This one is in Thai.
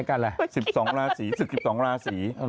การอะไร